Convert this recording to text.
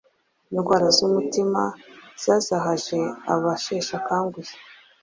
indwara z’umutima zazahaje abasheshakanguhe